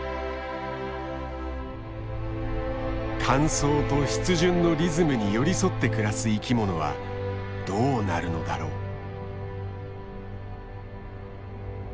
乾燥と湿潤のリズムに寄り添って暮らす生きものはどうなるのだろう？